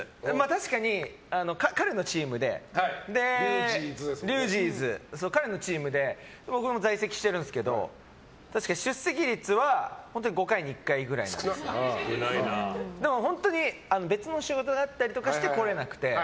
確かに彼のチームでリュージーズに僕も在籍してるんですけど出席率は５回に１回くらいなんですけど本当に別の仕事があったりとかして来れなくて。